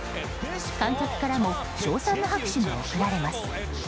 観客からも称賛の拍手が送られます。